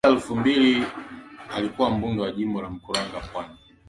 Mwaka elfu mbili alikua mbunge wa Jimbo la Mkuranga Pwani